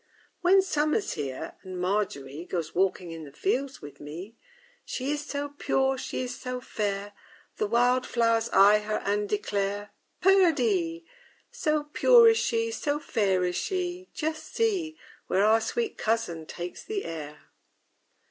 _ II When Summer's here and MARGERY Goes walking in the fields with me, She is so pure, she is so fair, The wildflowers eye her and declare _Perdie! So pure is she, so fair is she, Just see, Where our sweet cousin takes the air!